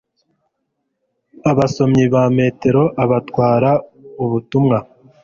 basomyi ba metero, abatwara ubutumwa